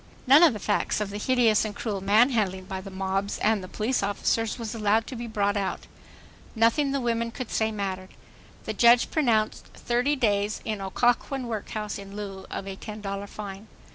None of the facts of the hideous and cruel manhandling by the mobs and police officers was allowed to be brought out. Nothing the women could say mattered. The judge pronounced : "Thirty days in Occoquan workhouse in lieu of a $10.00 fine."